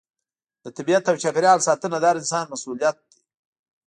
د طبیعت او چاپیریال ساتنه د هر انسان مسؤلیت دی.